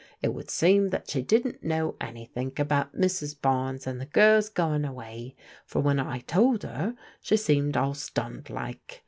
It would seem that she didn't know anythink about Mrs. Bames and the girls gcnng away, for ¥rhen I told her, she seemed all stunned like.